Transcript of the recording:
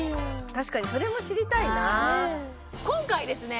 確かにそれも知りたいな今回ですね